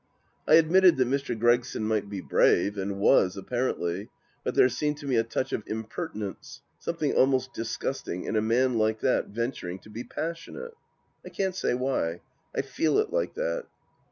I admitted that Mr. Gregson might be brave, and was apparently, but there seemed to me a touch of imper tinence, something almost disgusting, in a man like that venturing to be passionate ! I can't say why. ... I feel it like that.